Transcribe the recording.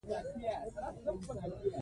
ډيپلومات د هیواد موقف دفاع کوي.